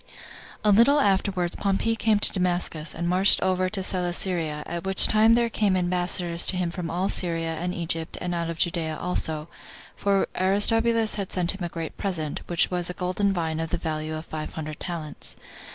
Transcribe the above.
1. A Little afterward Pompey came to Damascus, and marched over Celesyria; at which time there came ambassadors to him from all Syria, and Egypt, and out of Judea also, for Aristobulus had sent him a great present, which was a golden vine 3 of the value of five hundred talents.